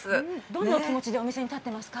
どんなお気持ちでお店に立っていますか。